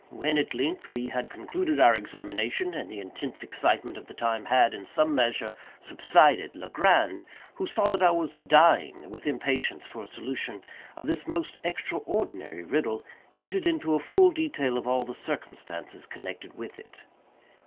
When, at length, we had concluded our examination, and the intense excitement of the time had, in some measure, subsided, Legrand, who saw that I was dying with impatience for a solution of this most extraordinary riddle, entered into a full detail of all the circumstances connected with it.